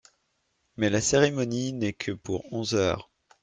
Mais la cérémonie n’est que pour onze heures.